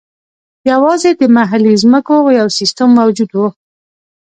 یوازې د محلي ځمکو یو سیستم موجود و.